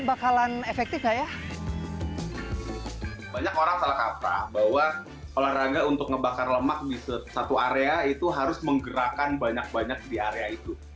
banyak orang salah kaprah bahwa olahraga untuk ngebakar lemak di satu area itu harus menggerakkan banyak banyak di area itu